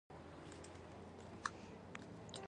دا غږ د حق لور ته اشاره کوي.